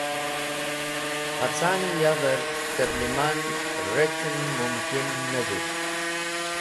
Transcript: Hacani yavẽr tẽr lẽman rec̃hẽn mũmkin ne vitk.